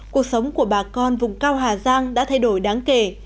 cuộc sống của bà con vùng cao hà giang đã thay đổi đáng kể